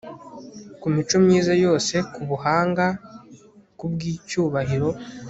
ku mico myiza yose, kubuhanga, kubwicyubahiro